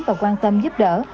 và quan tâm giúp đỡ